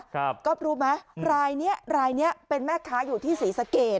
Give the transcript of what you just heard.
ก๊อฟรู้ไหมรายเนี้ยรายเนี้ยเป็นแม่ค้าอยู่ที่ศรีสะเกด